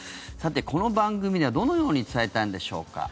この番組ではどのように伝えたんでしょうか。